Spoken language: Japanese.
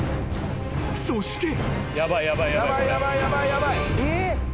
［そして］